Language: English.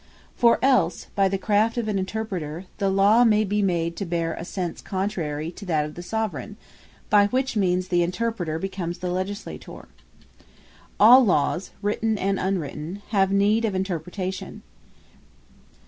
For else, by the craft of an Interpreter, the Law my be made to beare a sense, contrary to that of the Soveraign; by which means the Interpreter becomes the Legislator. All Lawes Need Interpretation All Laws, written, and unwritten, have need of Interpretation.